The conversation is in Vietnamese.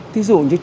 thí dụ như trẻ suy